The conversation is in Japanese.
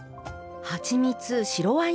はちみつ白ワイン